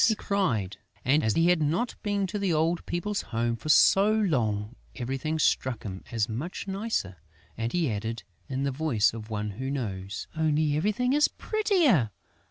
he cried. And, as he had not been to the old people's home for so long, everything struck him as much nicer; and he added, in the voice of one who knows, "Only everything is prettier!...